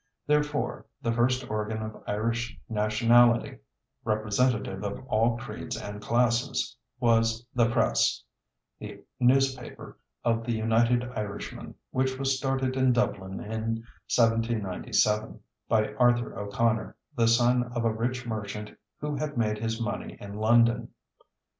Therefore, the first organ of Irish Nationality, representative of all creeds and classes, was the Press, the newspaper of the United Irishmen, which was started in Dublin in 1797, by Arthur O'Connor, the son of a rich merchant who had made his money in London.